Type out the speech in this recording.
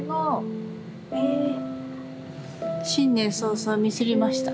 新年早々ミスりました。